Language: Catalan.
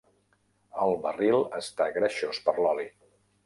El barril està greixós per l'oli.